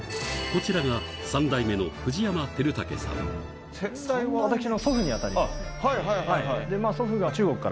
こちらが私の祖父に当たります。